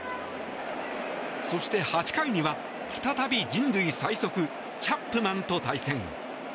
そして８回には再び人類最速、チャプマンと対戦。